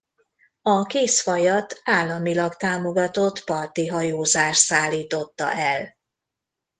A kész vajat államilag támogatott parti hajózás szállította el.